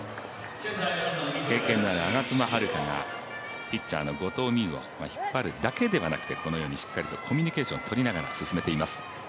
経験のある我妻悠香がピッチャーの後藤希友を引っ張るだけではなくてこのようにしっかりコミュニケーションとりながら進めています。